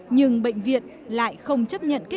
nhưng bệnh viện lại không chấp nhận kết quả xét nghiệm